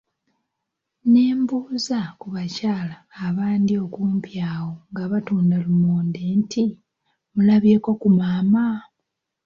Ne mbuuza ku bakyala abandi okumpi awo nga batunda lumonde nti, mulabyeko ku maama?